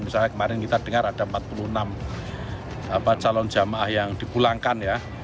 misalnya kemarin kita dengar ada empat puluh enam calon jamaah yang dipulangkan ya